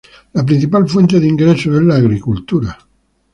La principal fuente de ingreso es la agricultura.